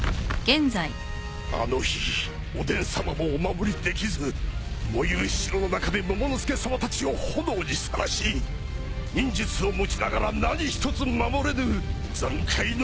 あの日おでんさまもお守りできず燃ゆる城の中でモモの助さまたちを炎にさらし忍術を持ちながら何一つ守れぬ懺悔の大失態！